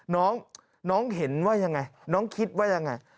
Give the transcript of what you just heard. น้องน้องเห็นว่ายังไงน้องคิดว่ายังไง